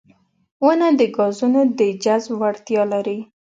• ونه د ګازونو د جذب وړتیا لري.